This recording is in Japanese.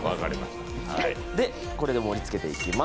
で、これで盛り付けていきます。